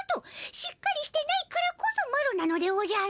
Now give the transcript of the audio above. しっかりしてないからこそマロなのでおじゃる。